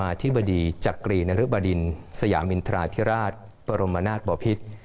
อธิบดีจักรีนรึบดินสยามินทราธิราชบรมนาศบอพิษ